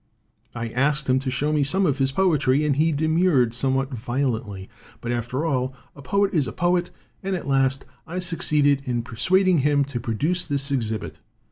I asked him to show me some of his poetry, and he demurred somewhat violently. But, after all, a poet is a poet, and at last I succeeded in per suading him to produce this exhibit.